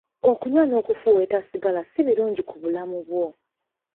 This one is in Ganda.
Okunywa n'okufuuweeta sigala si birungi ku bulamu bwo.